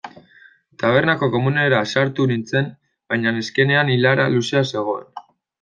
Tabernako komunera sartu nintzen baina neskenean ilara luzea zegoen.